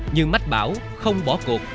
nhưng mách bảo không bỏ cuộc